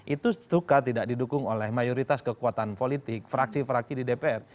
itu suka tidak didukung oleh mayoritas kekuatan politik fraksi fraksi di dpr